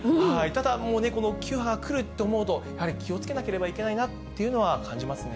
ただこの９波来ると思うと、やはり気をつけなければいけないなというのは、感じますね。